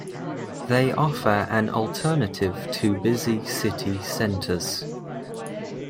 They offer an alternative to busy city centres.